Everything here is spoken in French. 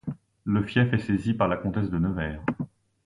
Le fief est saisi par la comtesse de Nevers.